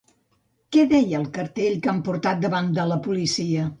Què deia el cartell que han portat davant de la policia?